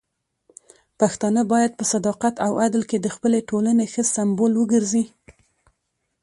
پښتانه بايد په صداقت او عدل کې د خپلې ټولنې ښه سمبول وګرځي.